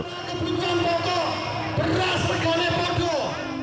kebutuhan pokok beras sekalian pokok